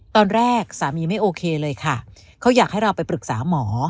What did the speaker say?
ตอนแรกสามีไม่โอเคเลยค่ะเขาอยากให้เราไปปรึกษาหมอ